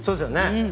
うん。